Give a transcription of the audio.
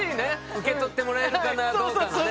受け取ってもらえるかなどうかのね。